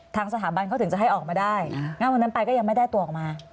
ทางสถาบันเขาถึงจะให้ออกมาได้งั้นวันนั้นไปก็ยังไม่ได้ตัวออกมา